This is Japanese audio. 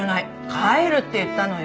帰る」って言ったのよ。